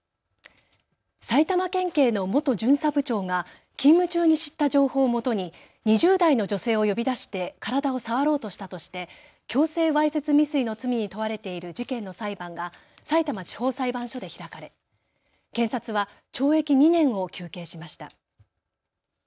埼玉県警の元巡査部長が勤務中に知った情報をもとに２０代の女性を呼び出して体を触ろうとしたとして強制わいせつ未遂の罪に問われている事件の裁判がさいたま地方裁判所で開かれ検察は懲役２年を求刑しました。